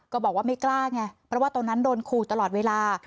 บอกว่าไม่กล้าไงเพราะว่าตอนนั้นโดนขู่ตลอดเวลา